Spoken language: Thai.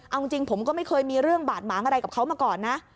เอาจริงผมก็ไม่เคยมีเรื่องบาดหมางอะไรกับเขามาก่อนนะ